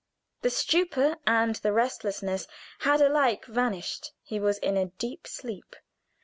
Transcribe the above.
The stupor and the restlessness had alike vanished; he was in a deep sleep.